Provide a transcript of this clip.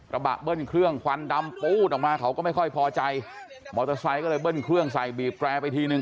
บะเบิ้ลเครื่องควันดำปู๊ดออกมาเขาก็ไม่ค่อยพอใจมอเตอร์ไซค์ก็เลยเบิ้ลเครื่องใส่บีบแปรไปทีนึง